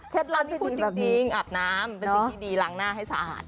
เทศรัจที่พูดจริงอาบน้ำล้างหน้าให้สะอาด